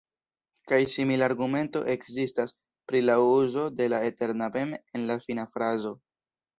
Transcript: Kaj simila argumento ekzistas pri la uzo de "eterna ben'" en la fina frazo.